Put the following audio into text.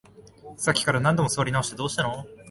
さっきから何度も座り直して、どうしたの？